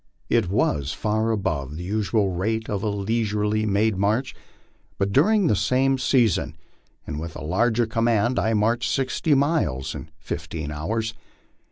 It was far above the usual rate of a leisurely made march, but during the same season and with a larger command L marched sixty miles in fifteen hours.